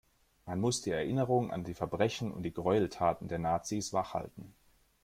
Man muss die Erinnerung an die Verbrechen und die Gräueltaten der Nazis wach halten.